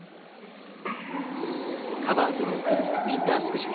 「ＴｈｅＣｏｖｅｒｓ」が贈る「ウインタースペシャル」。